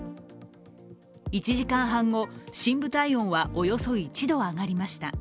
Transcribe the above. １時間半後、深部体温はおよそ１度上がりました。